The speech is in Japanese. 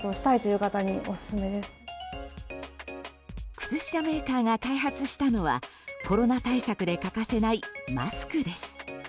靴下メーカーが開発したのはコロナ対策で欠かせないマスクです。